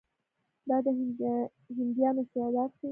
دا د هندیانو استعداد ښيي.